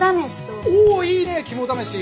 おいいね肝試し。